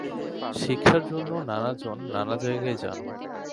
শিক্ষার জন্য নানা জন নানা জায়গায় যান।